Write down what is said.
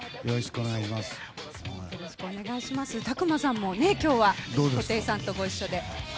ＴＡＫＵＭＡさんも今日は布袋さんとご一緒で。